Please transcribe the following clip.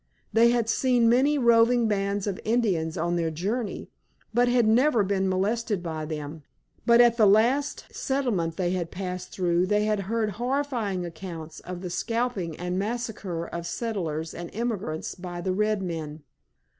They had seen many roving bands of Indians on their journey, but had never been molested by them, but at the last settlement they had passed through they had heard horrifying accounts of the scalping and massacre of settlers and emigrants by the red men.